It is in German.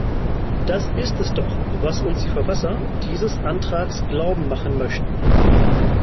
Das ist es doch, was uns die Verfasser dieses Antrags glauben machen möchten.